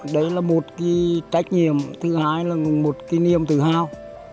đấy là một cái trách nhiệm thứ hai là một cái niềm tự hào